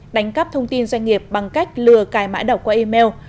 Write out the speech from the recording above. đánh cắp thông tin doanh nghiệp bằng cách lừa cài mãi đọc qua email